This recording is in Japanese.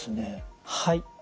はい。